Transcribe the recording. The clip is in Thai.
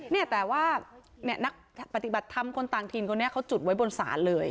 เนี่ยแต่ว่านักปฏิบัติธรรมคนต่างถิ่นคนนี้เขาจุดไว้บนศาลเลย